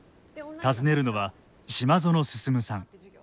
尋ねるのは島薗進さん。